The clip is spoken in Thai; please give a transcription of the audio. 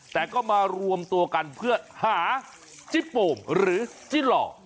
แต่ก็มารวมตัวกันเพื่อหาจิโป่งหรือจิล่อ